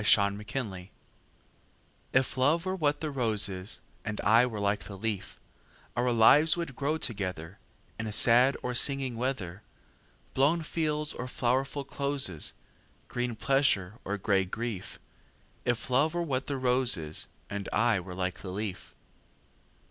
A Match IF love were what the rose is, And I were like the leaf, Our lives would grow togetherIn sad or singing weather, Blown fields or flowerful closes, Green pleasure or gray grief; If love were what the rose is, And I were like the leaf.